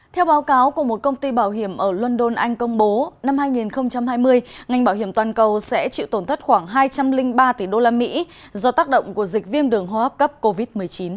theo báo cáo của một công ty bảo hiểm ở london anh công bố năm hai nghìn hai mươi ngành bảo hiểm toàn cầu sẽ chịu tổn thất khoảng hai trăm linh ba tỷ usd do tác động của dịch viêm đường hô hấp cấp covid một mươi chín